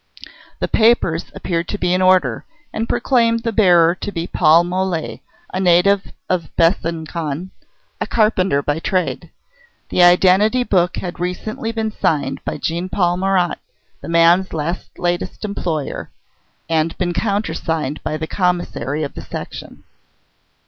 The papers appeared to be in order, and proclaimed the bearer to be Paul Mole, a native of Besancon, a carpenter by trade. The identity book had recently been signed by Jean Paul Marat, the man's latest employer, and been counter signed by the Commissary of the section.